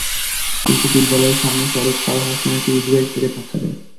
কিন্তু বিদ্যালয়ের সামনে সড়ক পার হওয়ার সময় একটি ইজিবাইক তাকে ধাক্কা দেয়।